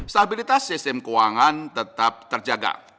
stabilitas sistem keuangan tetap terjaga